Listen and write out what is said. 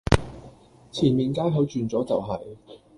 前面街口轉左就係